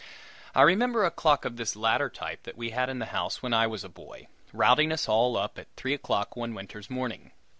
I remember a clock of this latter type, that we had in the house when I was a boy, routing us all up at three o'clock one winter's morning.